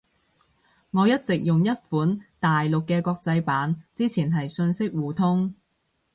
我一直用一款大陸嘅國際版。之前係信息互通